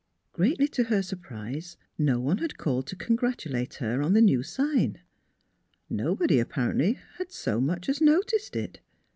Greatly to her surprise, no one had called to congratulate her on the new sign. Nobody, apparently, had so much as noticed it.